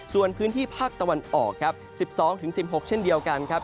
ส่วนพื้นที่ภาคตะวันออกครับ๑๒๑๖เช่นเดียวกันครับ